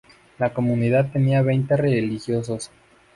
La comunidad tenía veinte religiosos.